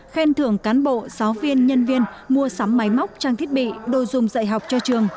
khen thưởng cán bộ giáo viên nhân viên mua sắm máy móc trang thiết bị đồ dùng dạy học cho trường